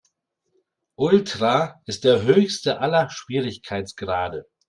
Ultra ist der höchste aller Schwierigkeitsgrade.